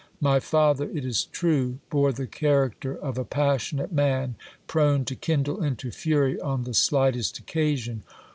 My father, it is true, bore the character of a passionate man, prone to kindle into fury on the slightest occasion.